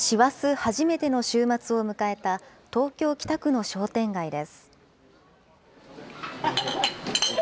初めての週末を迎えた、東京・北区の商店街です。